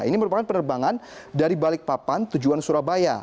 ini merupakan penerbangan dari balikpapan tujuan surabaya